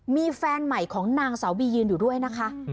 มีแฟนใหม่ของนางสาวบียืนอยู่ด้วยนะคะ